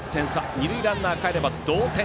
二塁ランナーかえれば同点。